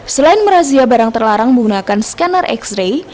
selain merazia barang terlarang menggunakan skandar x ray